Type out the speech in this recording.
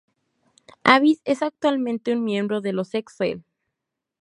Abyss es actualmente un miembro de los X-Cell.